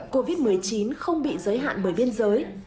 covid một mươi chín không bị giới hạn bởi biên giới